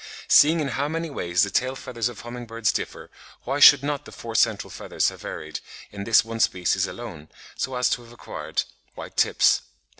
Seeing in how many ways the tail feathers of humming birds differ, why should not the four central feathers have varied in this one species alone, so as to have acquired white tips?